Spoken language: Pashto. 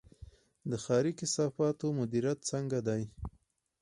د ښاري کثافاتو مدیریت څنګه دی؟